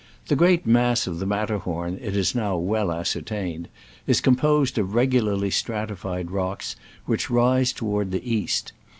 The great mass of the Matterhorn, it is now well ascertain ed, is composed of regularly stratified rocks, which rise to war(| the east.